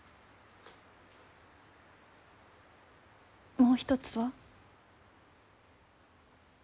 もう一つは？